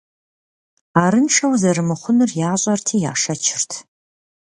Арыншэу зэрымыхъунур ящӏэрти яшэчырт.